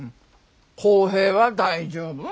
耕平は大丈夫。